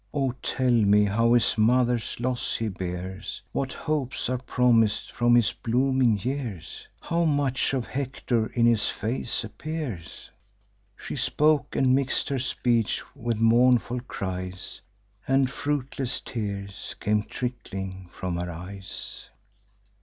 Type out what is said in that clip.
O tell me how his mother's loss he bears, What hopes are promis'd from his blooming years, How much of Hector in his face appears?' She spoke; and mix'd her speech with mournful cries, And fruitless tears came trickling from her eyes.